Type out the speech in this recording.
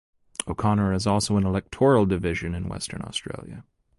O'Connor is also an electoral division in Western Australia.